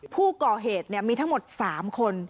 ผู้ก่อเหตุมีทั้งหมด๓คน